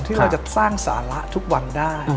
ที่เราจะสร้างสาระทุกวันได้